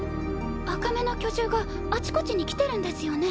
赤目の巨獣があちこちに来てるんですよね。